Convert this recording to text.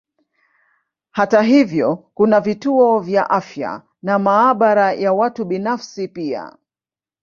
Hata hivyo kuna vituo vya afya na maabara ya watu binafsi pia.